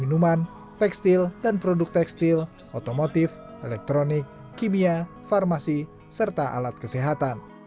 minuman tekstil dan produk tekstil otomotif elektronik kimia farmasi serta alat kesehatan